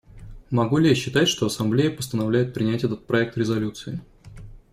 Могу ли я считать, что Ассамблея постановляет принять этот проект резолюции?